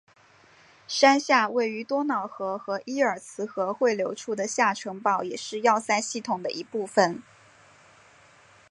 山下位于多瑙河和伊尔茨河汇流处的下城堡也是要塞系统的一部分。